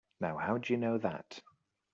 Now how'd you know that?